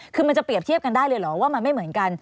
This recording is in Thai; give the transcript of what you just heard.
คือมันจะเปรียบเทียบกันได้เลยเหรอว่ามันไม่เหมือนกัน